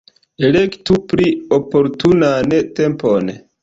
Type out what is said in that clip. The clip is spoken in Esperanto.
Elektu pli oportunan tempon.